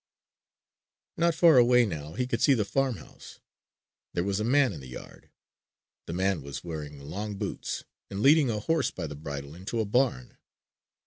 Not far away now he could see the farmhouse. There was a man in the yard. The man was wearing long boots, and leading a horse by the bridle into a barn.